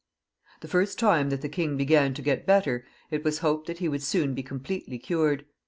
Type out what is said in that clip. The first time that the king began to get better it was hoped that he would soon be completely cured.